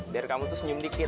biar kamu tuh senyum dikit